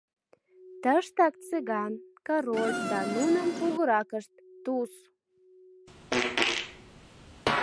Тыштак Цыган, Король да нунын кугуракышт — Туз.